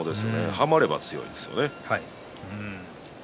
はまれば強いですね。